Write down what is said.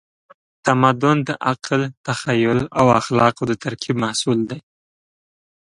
تمدن د عقل، تخیل او اخلاقو د ترکیب محصول دی.